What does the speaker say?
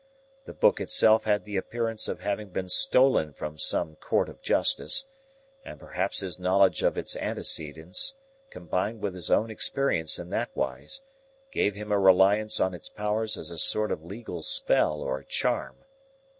The book itself had the appearance of having been stolen from some court of justice, and perhaps his knowledge of its antecedents, combined with his own experience in that wise, gave him a reliance on its powers as a sort of legal spell or charm.